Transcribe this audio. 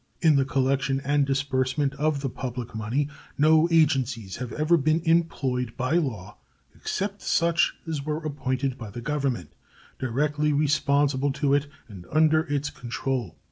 In the collection and disbursement of the public money no agencies have ever been employed by law except such as were appointed by the Government, directly responsible to it and under its control.